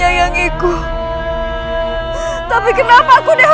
jangan kembali lagi selamanya kesini